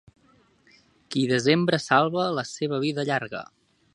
Qui desembre salva, la seva vida allarga.